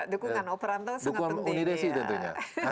dukungan perantau sangat penting